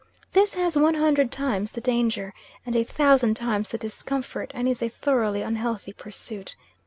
This has one hundred times the danger, and a thousand times the discomfort, and is a thoroughly unhealthy pursuit.